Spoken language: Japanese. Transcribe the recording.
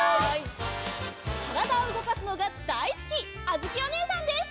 からだをうごかすのがだいすきあづきおねえさんです！